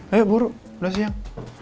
ayo buru udah siang